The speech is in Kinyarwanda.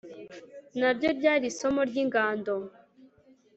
naryo ryari isomo ry'ingando